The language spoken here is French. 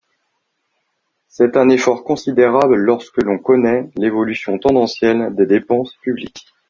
C’est un effort considérable lorsque l’on connaît l’évolution tendancielle des dépenses publiques.